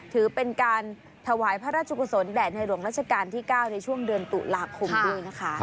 ถือเป็นการถวายพระราชกุศลแด่ในหลวงราชการที่๙ในช่วงเดือนตุลาคมด้วยนะคะ